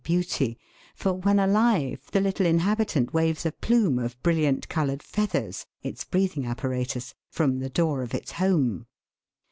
137 beauty, for when alive, the little inhabitant waves a plume of brilliantly coloured feathers its breathing apparatus from the door of its home.